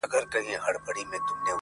ړانده وویل بچی د ځناور دی -